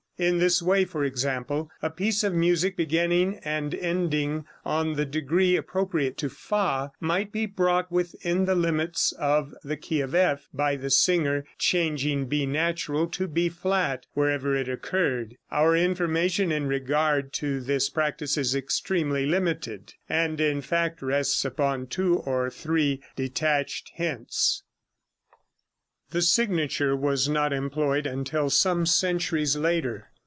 In this way, for example, a piece of music beginning and ending on the degree appropriate to fa might be brought within the limits of the key of F by the singer changing B natural to B flat wherever it occurred. Our information in regard to this practice is extremely limited, and, in fact, rests upon two or three detached hints. The signature was not employed until some centuries later.